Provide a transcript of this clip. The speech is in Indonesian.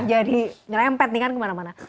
jadi ngerempet nih kan kemana mana